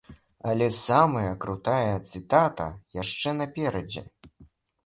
Але самая крутая цытата яшчэ наперадзе.